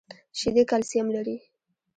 شیدې کلسیم لري